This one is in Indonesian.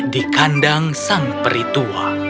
di kandang sangkar itu